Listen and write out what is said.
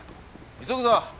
急ぐぞ！